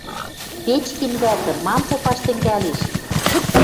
Печкин вӓтӹ!.. Мам попаш тӹнгӓлеш?